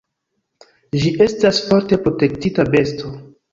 Ĝi estas forte protektita besto.